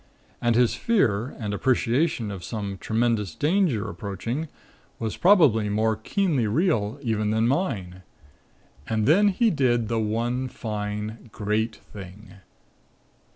And his fear and appreciation of some tremendous danger approaching was probably more keenly real even than mine. And then he did the one fine, great thing!"